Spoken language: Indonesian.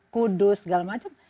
kudus segala macam